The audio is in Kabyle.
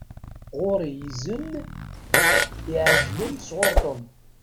Ɣur-i izen iεeǧlen sɣur Tom.